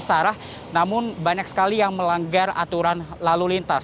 sarah namun banyak sekali yang melanggar aturan lalu lintas